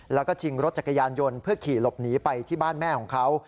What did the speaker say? แล้วก็ชิงรถจักรยานยนต์เพื่อขี่หลบหนีไปที่บ้านแม่ของเขา